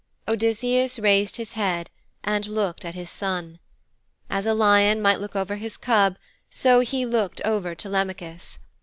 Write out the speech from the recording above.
Odysseus raised his head and looked at his son. As a lion might look over his cub so he looked over Telemachus.